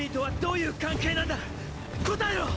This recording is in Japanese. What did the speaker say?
答えろ！